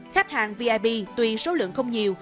khách hàng vip tuy số lượng không nhiều